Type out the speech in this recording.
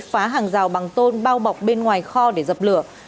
phá hàng rào bằng tôn bao bọc bên ngoài kho để dập lửa